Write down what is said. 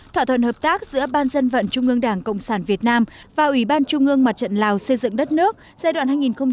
thỏa thuận hợp tác giữa ban dân vận trung ương đảng cộng sản việt nam và ủy ban trung ương mặt trận lào xây dựng đất nước giai đoạn hai nghìn một mươi sáu hai nghìn hai mươi